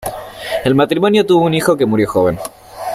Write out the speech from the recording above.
El matrimonio tuvo un hijo que murió joven.